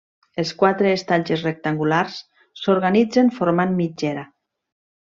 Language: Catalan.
Els quatre estatges rectangulars s'organitzen formant mitgera.